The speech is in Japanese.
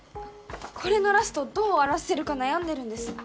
これのラストどう終わらせるか悩んでるんです